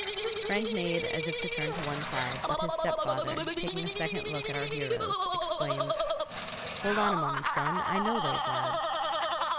Frank made as if to turn to one side, but his stepfather, taking a second look at our heroes, exclaimed: "Hold on a moment, son. I know those lads!"